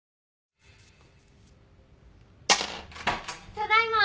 ただいま。